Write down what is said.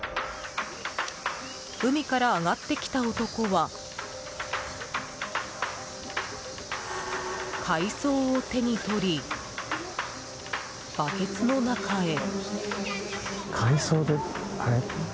海から上がってきた男は海藻を手にとり、バケツの中へ。